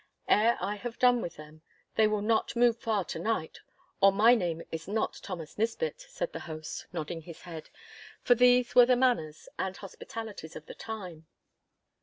'Ere I have done with them they will not move far to night, or my name is not Thomas Nisbett,' said the host, nodding his head, for these were the manners and hospitalities of the time.